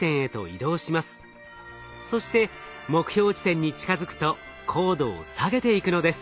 そして目標地点に近づくと高度を下げていくのです。